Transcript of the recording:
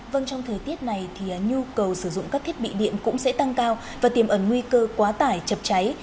vâng trong thời tiết này thì nhu cầu sử dụng các thiết bị điện cũng sẽ tăng cao và tiềm ẩn nguy cơ quá tải chập cháy